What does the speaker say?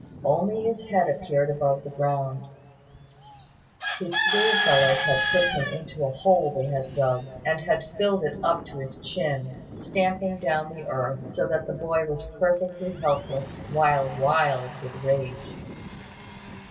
Only his head appeared above ground. His schoolfellows had put him into a hole they had dug, and had filled it up to his chin, stamping down the earth, so that the boy was perfectly helpless, while wild with rage.